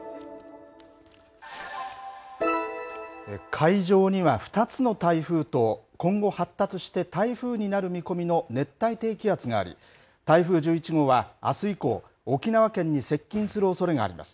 海上には２つの台風と今後発達して台風になる見込みの熱帯低気圧があり、台風１１号はあす以降、沖縄県に接近するおそれがあります。